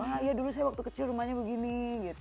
wah ya dulu saya waktu kecil rumahnya begini